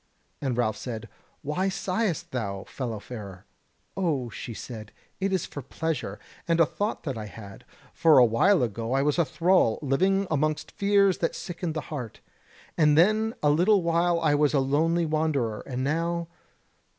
And Ralph said: "Why sighest thou, fellow farer?" "O," she said, "it is for pleasure, and a thought that I had: for a while ago I was a thrall, living amongst fears that sickened the heart; and then a little while I was a lonely wanderer, and now...